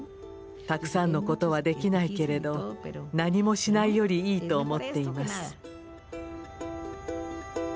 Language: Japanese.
たくさんのことはできないけれど何もしないよりいいと思っています。